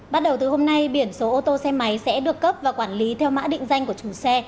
bắt đầu từ hôm nay biển số ô tô xe máy sẽ được cấp và quản lý theo mã định danh của chủ xe